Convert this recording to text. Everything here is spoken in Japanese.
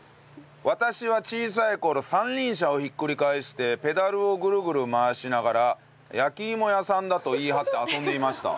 私は小さい頃三輪車をひっくり返してペダルをグルグル回しながら焼き芋屋さんだと言い張って遊んでいました。